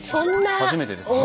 初めてですよね？